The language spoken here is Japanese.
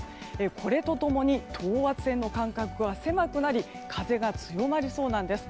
これと共に等圧線の間隔が狭くなり風が強まりそうなんです。